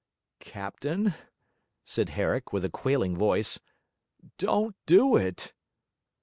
'Captain,' said Herrick, with a quailing voice, 'don't do it!'